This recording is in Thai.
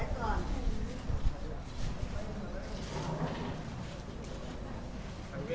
สวัสดีครับ